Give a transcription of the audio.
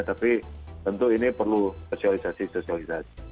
tapi tentu ini perlu spesialisasi spesialisasi